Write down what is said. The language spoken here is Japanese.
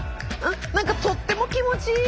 何かとっても気持ちいい。